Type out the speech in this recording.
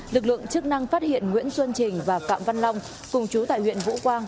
lực lượng chức năng phát hiện nguyễn xuân trình và phạm văn long cùng chú tại huyện vũ quang